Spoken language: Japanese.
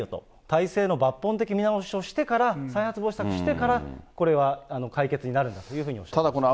体制の抜本的見直しをしてから、再発防止策してから、これは解決になるんだというふうにおっしゃっていました。